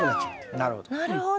なるほど。